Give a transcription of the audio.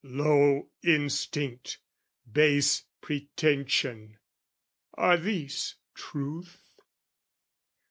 Low instinct, base pretension, are these truth?